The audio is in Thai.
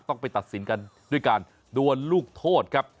ไปตัดสินกันด้วยการดวนลูกโทษครับ